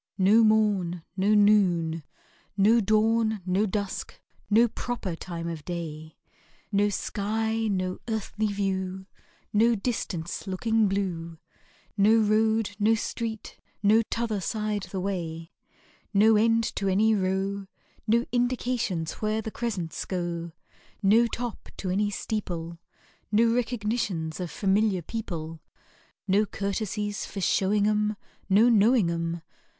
No morn no noon No dawn no dusk no proper time of day No sky no earthly view No distance looking blue No road no street no "t'other side the way" No end to any Row No indications where the Crescents go No top to any steeple No recognitions of familiar people No courtesies for showing 'em No knowing 'em!